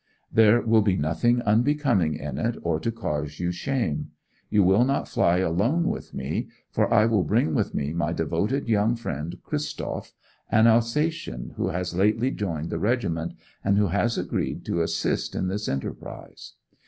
There will be nothing unbecoming in it, or to cause you shame; you will not fly alone with me, for I will bring with me my devoted young friend Christoph, an Alsatian, who has lately joined the regiment, and who has agreed to assist in this enterprise.